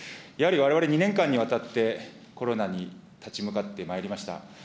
やはりわれわれ、２年間にわたってコロナに立ち向かってまいりました。